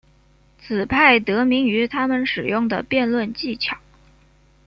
此派得名于他们使用的辩论技巧。